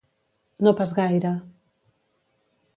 No pas gaire.